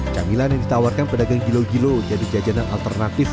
camilan yang ditawarkan pedagang gilo gilo jadi jajanan alternatif